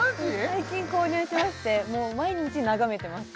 最近購入しましてもう毎日眺めてます